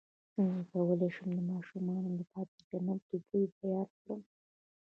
څنګه کولی شم د ماشومانو لپاره د جنت د بوی بیان کړم